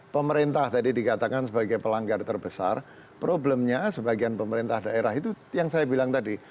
pemerintah tadi dikatakan sebagai pelanggar terbesar problemnya sebagian pemerintah daerah itu yang saya bilang tadi